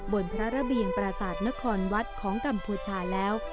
บนพระระเบียงปราศาสตร์นครวัดของกัมพูชาแล้ว